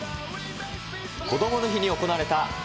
こどもの日に行われたＢＭＸ